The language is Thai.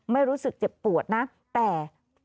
ไม่รู้สึกเจ็บปวดนะแต่